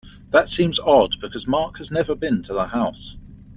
That seems odd because Mark has never been to the house.